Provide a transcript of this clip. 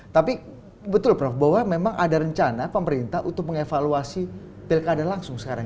tapi betul prof bahwa memang ada rencana pemerintah untuk mengevaluasi pilkada langsung sekarang